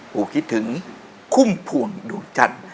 ปู่คิดถึงคุ่มผ่วงดูจัด